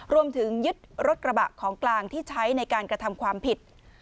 ยึดรถกระบะของกลางที่ใช้ในการกระทำความผิด